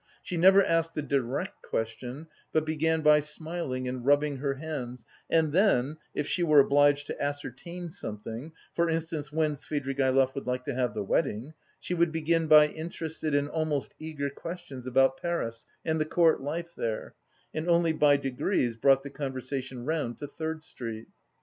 She never asked a direct question, but began by smiling and rubbing her hands and then, if she were obliged to ascertain something for instance, when Svidrigaïlov would like to have the wedding she would begin by interested and almost eager questions about Paris and the court life there, and only by degrees brought the conversation round to Third Street.